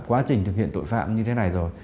quá trình thực hiện tội phạm như thế này rồi